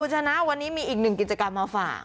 ชนะวันนี้มีอีกหนึ่งกิจกรรมมาฝาก